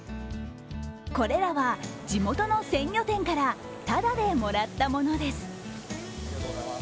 これらは地元の鮮魚店から、ただでもらったものです。